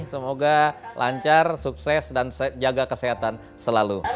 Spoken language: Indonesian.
semoga lancar sukses dan jaga kesehatan selalu